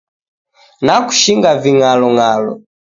Nakushinga ving'alonga'lo.